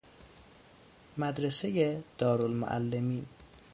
مدرسۀ دارالمعلمین